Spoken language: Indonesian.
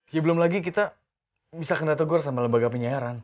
ya belum lagi kita bisa kena tegur sama lembaga penyiaran